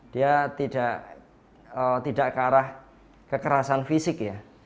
dia tidak ke arah kekerasan fisik ya